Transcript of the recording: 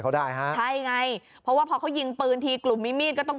เขาได้ฮะใช่ไงเพราะว่าพอเขายิงปืนทีกลุ่มมีมีดก็ต้อง